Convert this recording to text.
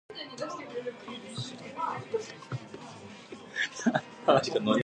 Williams' girlfriend is played by Australian model Lisa Seiffert.